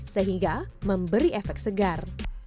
sehingga memberi efek segar